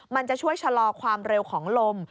มันจะช่วยชะลอความเร็วของลม